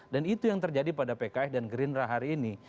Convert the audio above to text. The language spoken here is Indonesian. dan itu yang terjadi pada pki dan gerindra hari ini